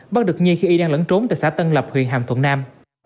bắt được nhi khi y đang lẫn trốn tại xã tân lập huyện hàm thuận nam